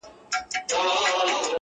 رمې څنګه دلته پايي وطن ډک دی د لېوانو،